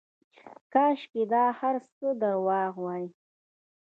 کاشکې دا هرڅه درواغ واى.